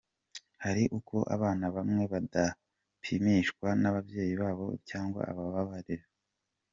Hari uko abana bamwe badapimishwa n’ababyeyi babo cyangwa ababarera.